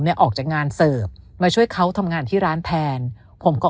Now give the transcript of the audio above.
ออกจากงานเสิร์ฟมาช่วยเขาทำงานที่ร้านแทนผมก็